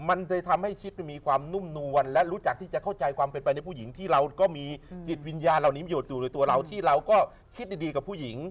มันจะทำให้ชิปมีความนุ่มนวลและรู้จักที่จะเข้าใจความเป็นไปในผู้หญิงที่เราก็มีจิตวิญญาณเหล่านี้ประโยชน์อยู่ในตัวเราที่เราก็คิดดีกับผู้หญิง